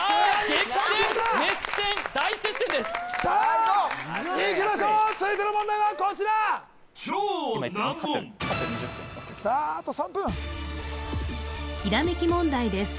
激戦熱戦大接戦ですさあいきましょう続いての問題はこちらさああと３分ひらめき問題です